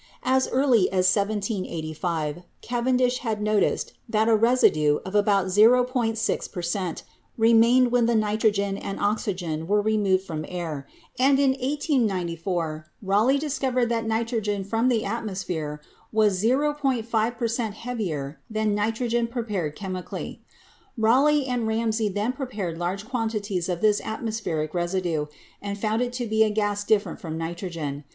As early as 1785, Cavendish had noticed that a residue of about 0.6 per cent, remained when the nitrogen and oxy gen were removed from air, and in 1894 Rayleigh discov ered that nitrogen from the atmosphere was 0.5 per cent, heavier than nitrogen prepared chemically. Rayleigh and Ramsay then prepared large quantities of this atmospheric residue and found it to be a gas different from nitrogen.